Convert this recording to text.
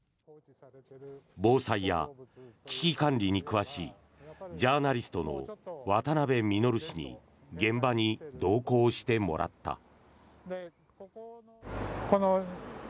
防災や危機管理に詳しいジャーナリストの渡辺実氏に現場に同行してもらった。